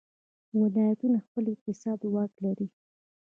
ولایتونه خپل اقتصادي واک لري.